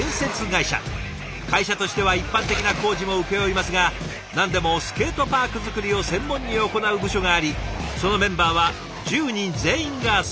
会社としては一般的な工事も請け負いますが何でもスケートパーク作りを専門に行う部署がありそのメンバーは１０人全員がスケーター。